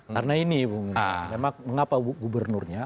karena ini mengapa gubernurnya